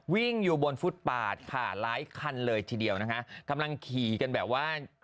วิ่งอยู่บนฟุตปาทหลายคันเลยชีวิตคีย์กันแบบว่า